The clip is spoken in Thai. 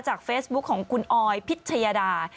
เฟซบุ๊คของคุณออยพิชยดา